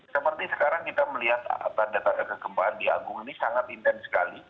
seperti sekarang kita melihat tanda tanda kegempaan di agung ini sangat intens sekali